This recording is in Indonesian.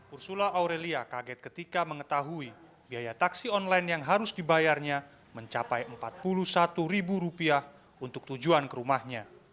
ursula aurelia kaget ketika mengetahui biaya taksi online yang harus dibayarnya mencapai rp empat puluh satu untuk tujuan ke rumahnya